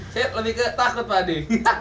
saya lebih ketakut pak ade